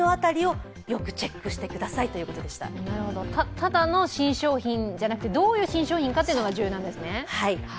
ただの新商品じゃなくてどういう新商品かというのが重要なんですね。